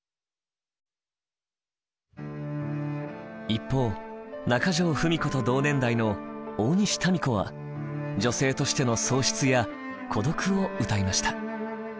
一方中城ふみ子と同年代の大西民子は女性としての喪失や孤独を歌いました。